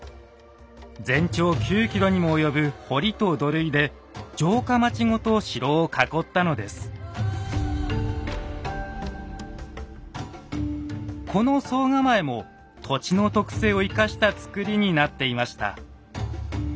全長９ｋｍにも及ぶ堀と土塁でこの総構も土地の特性を生かした造りになっていました。